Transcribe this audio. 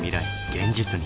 現実に。